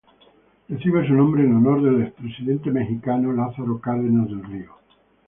Recibe su nombre en honor del expresidente mexicano Lázaro Cárdenas del Río.